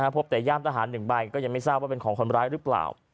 พบแต่ย่ามทหาร๑ใบก็ยังไม่ทราบว่าเป็นของคนร้ายหรือเปล่า